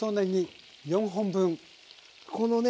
このね